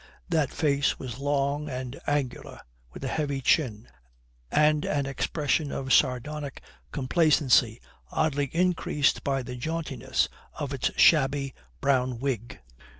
That face was long and angular, with a heavy chin and an expression of sardonic complacency oddly increased by the jauntiness of its shabby brown wig.